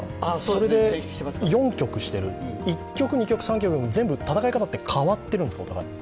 それで４局している、１局、２局、３局と戦い方は変わってるんですか？